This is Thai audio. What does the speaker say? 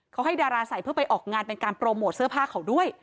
เขาให้ดาราใส่เพื่อไปออกงานเป็นการโปรโมทเสื้อผ้าเขาด้วย